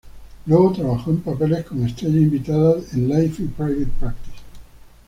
Luego, trabajó en papeles como estrella invitada en "Life" y "Private Practice".